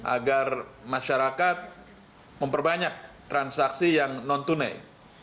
agar masyarakat memperbanyak transaksi yang non tunai